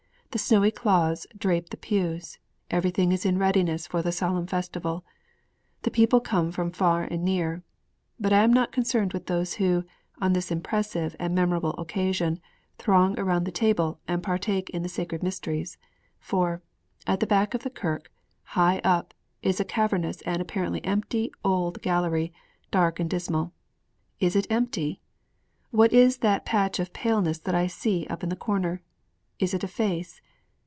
The snowy cloths drape the pews; everything is in readiness for the solemn festival; the people come from far and near. But I am not concerned with those who, on this impressive and memorable occasion, throng around the table and partake of the sacred mysteries. For, at the back of the kirk, high up, is a cavernous and apparently empty old gallery, dark and dismal. Is it empty? What is that patch of paleness that I see up in the corner? Is it a face?